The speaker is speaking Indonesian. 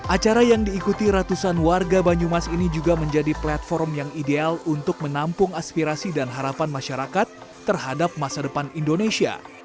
acara yang diikuti ratusan warga banyumas ini juga menjadi platform yang ideal untuk menampung aspirasi dan harapan masyarakat terhadap masa depan indonesia